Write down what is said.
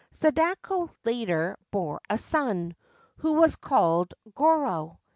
Sadako later bore a son, who was called Goroh.